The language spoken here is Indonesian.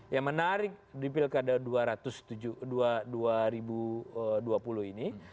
yang menarik di pilkada dua ribu dua puluh ini